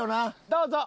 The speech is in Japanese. どうぞ！